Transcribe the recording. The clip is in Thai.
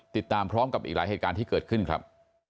ติดตามพร้อมกับอีกหลายเหตุการณ์ที่เกิดขึ้นครับ